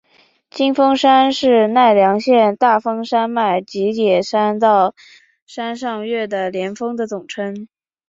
金峰山是奈良县大峰山脉吉野山到山上岳的连峰的总称。